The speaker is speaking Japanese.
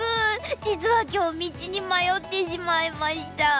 実は今日道に迷ってしまいました。